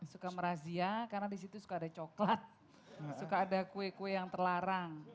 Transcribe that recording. suka merazia karena disitu suka ada coklat suka ada kue kue yang terlarang